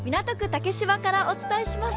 竹芝からお伝えします。